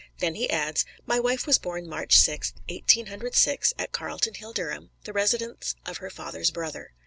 Then he adds, "My wife was born March Sixth, Eighteen Hundred Six, at Carlton Hall, Durham, the residence of her father's brother."